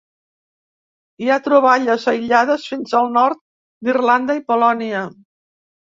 Hi ha troballes aïllades fins al nord d'Irlanda i Polònia.